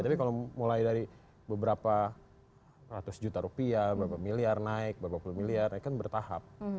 tapi kalau mulai dari beberapa ratus juta rupiah berapa miliar naik berapa puluh miliar kan bertahap